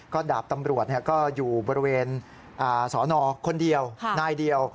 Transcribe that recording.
ดาบตำรวจก็อยู่บริเวณสอนอคนเดียวนายเดียว